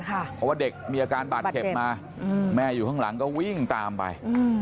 เพราะว่าเด็กมีอาการบาดเจ็บมาแม่อยู่ข้างหลังก็วิ่งตามไป